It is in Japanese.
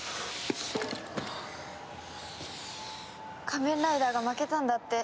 仮面ライダーが負けたんだって。